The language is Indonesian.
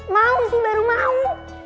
mau sih baru mau